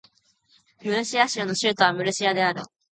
ムルシア州の州都はムルシアである